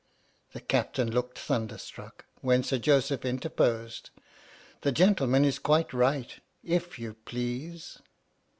" The Captain looked thunderstruck, when Sir Joseph interposed. "The gentleman is quite right. If you please."